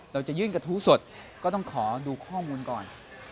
เราจะยื่นกระทู้สดก็ต้องขอดูข้อมูลก่อน